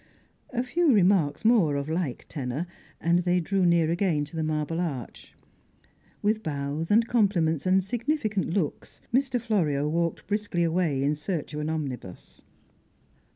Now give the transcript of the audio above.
A few remarks more, of like tenor, and they drew near again to the Marble Arch. With bows and compliments and significant looks, Mr. Florio walked briskly away in search of an omnibus.